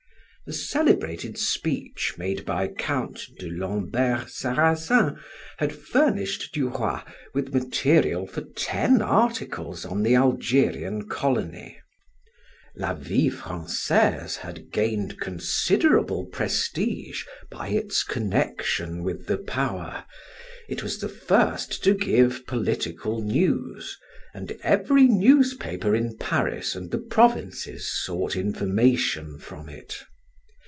The celebrated speech made by Count de Lambert Sarrazin had furnished Du Roy with material for ten articles on the Algerian colony. "La Vie Francaise" had gained considerable prestige by its connection with the power; it was the first to give political news, and every newspaper in Paris and the provinces sought information from it.